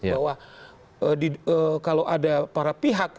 bahwa kalau ada para pihak